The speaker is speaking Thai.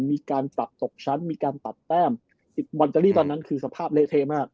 มีการตัดสกชั้นมีการตัดแต้มอิตาลีตอนนั้นคือสภาพเลเทมาก